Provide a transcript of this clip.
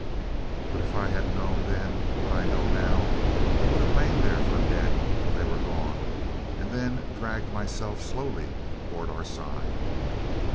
But if I had known then, what now I know, I would have lain there for dead till they were gone, and then dragged myself slowly toward our side.